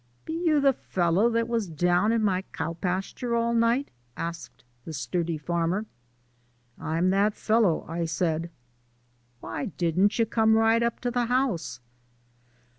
"Be you the fellow that was daown in my cowpasture all night?" asked the sturdy farmer. "I'm that fellow," I said. "Why didn't you come right up to the house?"